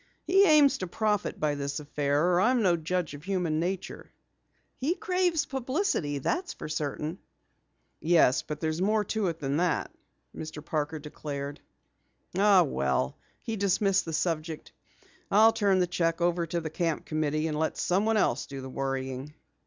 He aims to profit by this affair, or I'm no judge of human nature." "He craves publicity, that's certain." "Yes, but there's more to it than that," Mr. Parker declared. "Oh, well" he dismissed the subject, "I'll turn the cheque over to the camp committee and let someone else do the worrying."